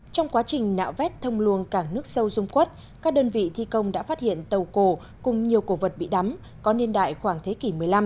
trong quá trình nạo vét thông luồng cảng nước sâu dung quất các đơn vị thi công đã phát hiện tàu cổ cùng nhiều cổ vật bị đắm có niên đại khoảng thế kỷ một mươi năm